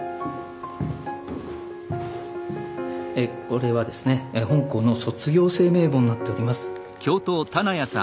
これはですね本校の卒業生名簿になっております。